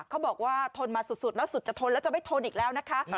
เขาบอกว่าทนมาสุดแล้วสุดจะทนแล้วจะไม่ทนอีกแล้วนะคะ